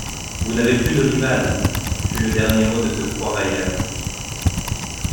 Vous n’avez plus de rivale ! fut le dernier mot de ce froid railleur.